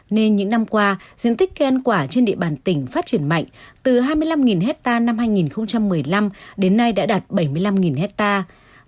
nên những năm qua diện tích khen quả trên địa bàn tỉnh phát triển mạnh từ hai mươi năm hectare năm hai nghìn một mươi năm đến nay đã đạt bảy mươi năm hectare